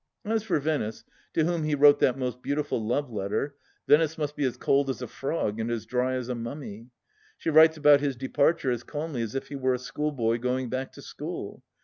As for Venice, to whom he wrote that most beautiful love letter, Venice must be as cold as a frog and as dry as a mummy. She writes about his departure as calmly as if he were a schoolboy going back to school.